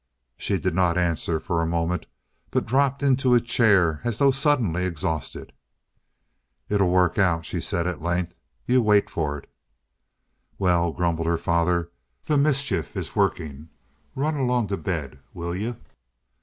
She did not answer for a moment, but dropped into a chair as though suddenly exhausted. "It'll work out," she said at length. "You wait for it!" "Well," grumbled her father, "the mischief is working. Run along to bed, will you?"